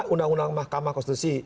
undang undang mahkamah konstitusi